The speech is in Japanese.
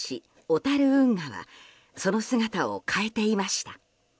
小樽運河はその姿を変えていました。